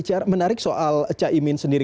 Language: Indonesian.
menarik soal caimin sendiri